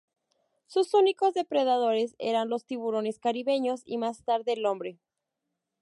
Sus únicos depredadores eran los tiburones caribeños y, más tarde, el hombre.